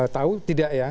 tahu tidak ya